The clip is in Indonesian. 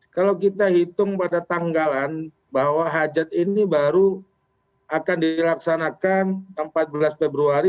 kalau kita hitung pada tanggalan bahwa hajat ini baru akan dilaksanakan empat belas februari